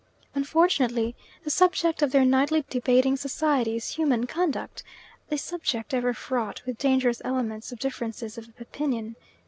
Unfortunately the subject of their nightly debating society is human conduct, a subject ever fraught with dangerous elements of differences of opinion.